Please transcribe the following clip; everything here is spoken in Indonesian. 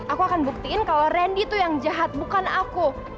aku akan buktiin kalau randy tuh yang jahat bukan aku